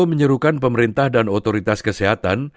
menyerukan pemerintah dan otoritas kesehatan